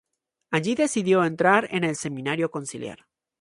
Allí decidió entrar en el Seminario Conciliar.